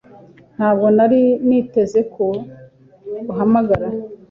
Ntabwo nari niteze ko uhamagara.